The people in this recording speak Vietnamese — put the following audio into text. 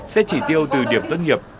sẽ trị tiêu từ điểm tốt nghiệp